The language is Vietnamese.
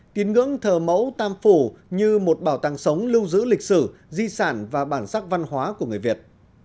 tín ngưỡng thờ mẫu tam phủ như một bảo tàng sống lưu giữ lịch sử di sản và bản sắc văn hóa của người việt